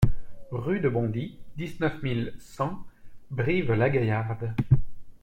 Rue de Bondy, dix-neuf mille cent Brive-la-Gaillarde